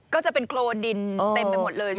ก็จะเป็นโครนดินเต็มไปหมดเลยใช่ไหมครับ